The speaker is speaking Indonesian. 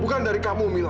bukan dari kamu mila